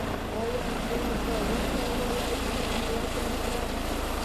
ایا زه به وکولی شم وګرځم؟